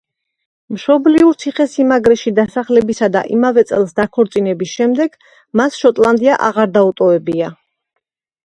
მშობლიურ ციხე-სიმაგრეში დასახლებისა და იმავე წელს დაქორწინების შემდეგ, მას შოტლანდია აღარ დაუტოვებია.